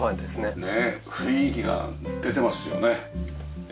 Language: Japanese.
雰囲気が出てますよね。